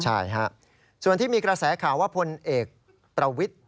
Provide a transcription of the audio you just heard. ใช่ฮะส่วนที่มีกระแสข่าวว่าพลเอกประวิทธิ